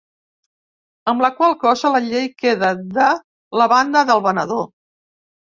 Amb la qual cosa la llei queda de la banda del venedor.